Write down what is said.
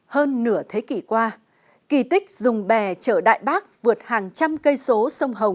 hơn nửa thế kỷ qua kỳ tích dùng bè chở đại bác vượt hàng trăm cây số sông hồng